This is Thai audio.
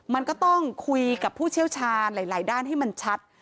มันก็ต้องคุยกับผู้เชี่ยวชาญหลายด้านให้มันชัด